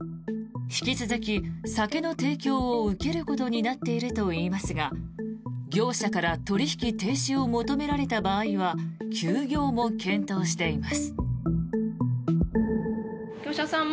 引き続き酒の提供を受けることになっているといいますが業者から取引停止を求められた場合は休業も検討しています。